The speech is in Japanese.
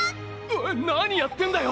おい何やってんだよ！